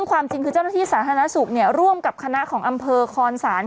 ความจริงคือเจ้าหน้าที่สาธารณสุขร่วมกับคณะของอำเภอคอนศาล